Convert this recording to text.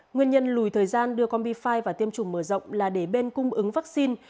nguyên nhân lùi thời gian đưa combi năm vào tiêm chủng mở rộng là để bên cung ứng vaccine